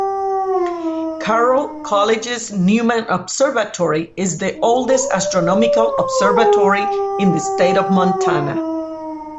Carroll College's Neuman Observatory is the oldest astronomical observatory in the state of Montana.